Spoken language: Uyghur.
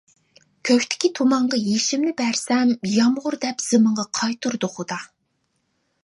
كۆكتىكى تۇمانغا يېشىمىنى بەرسەم، يامغۇر دەپ زېمىنغا قايتۇردى خۇدا.